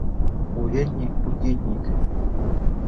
Урядник-пургедньык.